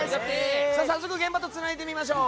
早速現場とつないでみましょう。